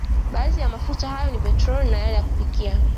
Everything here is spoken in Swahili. Baadhi ya mafuta hayo ni petroli na yale ya kupikia